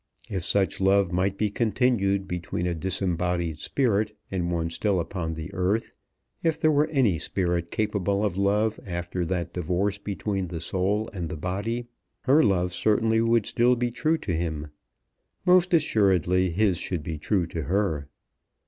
If such love might be continued between a disembodied spirit and one still upon the earth, if there were any spirit capable of love after that divorce between the soul and the body, her love certainly would still be true to him. Most assuredly his should be true to her.